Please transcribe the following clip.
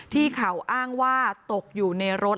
ที่เขาอ้างว่าตกอยู่ในรถ